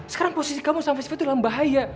sekarang posisi kamu sama syifa tuh dalam bahaya